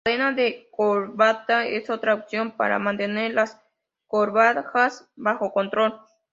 La cadena de corbata es otra opción para mantener las corbatas bajo control.